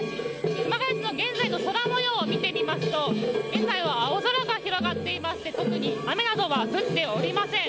熊谷市の現在の空模様を見てみますと現在は青空が広がっていまして特に雨などは降っておりません。